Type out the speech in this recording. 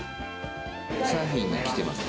サーフィンに来てます。